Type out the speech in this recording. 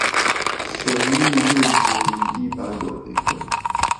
神祕間諜與一百朵玫瑰